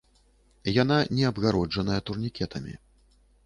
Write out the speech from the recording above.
Яна не абгароджаная турнікетамі.